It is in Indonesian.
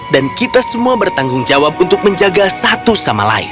dan kita semua bertanggung jawab untuk menjaga satu sama lain